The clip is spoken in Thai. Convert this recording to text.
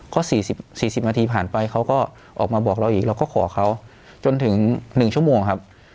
ก็๔๐นาทีผ่านไปเขาก็ออกมาบอกเราอีกเราก็ขอเขาจนถึง๑ชั่วโมงครับ